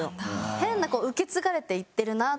変なこう受け継がれていってるなと。